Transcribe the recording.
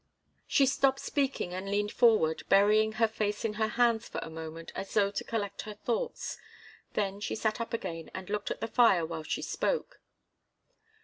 She stopped speaking and leaned forward, burying her face in her hands for a moment, as though to collect her thoughts. Then she sat up again, and looked at the fire while she spoke.